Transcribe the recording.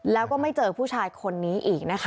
แล้วก็ไม่เจอผู้ชายคนนี้อีกนะคะ